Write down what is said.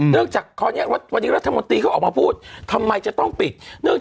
บางคนอาจจะเอาช่องทางตรงนี้มาทำเป็นแบบ